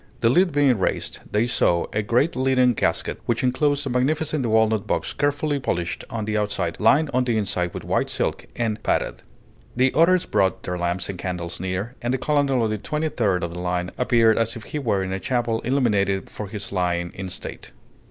The lid being raised, they saw a great leaden casket which inclosed a magnificent walnut box carefully polished on the outside, lined on the inside with white silk, and padded. The others brought their lamps and candles near, and the colonel of the Twenty third of the line appeared as if he were in a chapel illuminated for his lying in state.